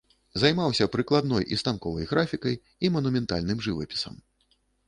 Займаўся прыкладной і станковай графікай, і манументальным жывапісам.